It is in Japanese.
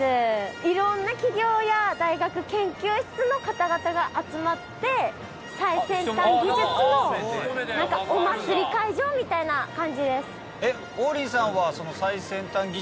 いろんな企業や大学研究室の方々が集まって最先端技術のお祭り会場みたいな感じです。